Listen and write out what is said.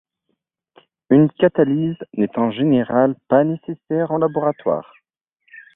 Une catalyse n'est en général pas nécessaire en laboratoire.